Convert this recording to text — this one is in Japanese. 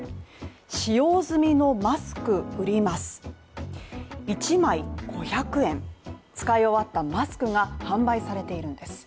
使用済みのマスク売ります、１枚５００円、使い終わったマスクが販売されているんです。